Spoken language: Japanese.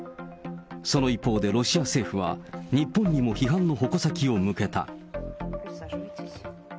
その一方でロシア政府は、日本にも批判の矛先を向けた。